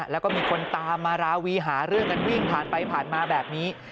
แล้วก็มีคนตามมาราวีหาเรื่องกันวิ่งผ่านไปผ่านมาแบบนี้